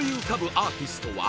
アーティストは？